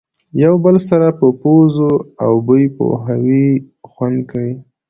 یو بل سره په پوزو او بوی پوهوي خوند کوي.